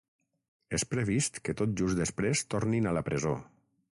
És previst que tot just després tornin a la presó.